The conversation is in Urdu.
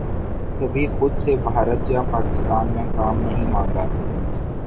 کبھی خود سے بھارت یا پاکستان میں کام نہیں مانگا